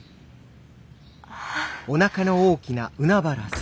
ああ。